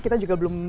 kita juga belum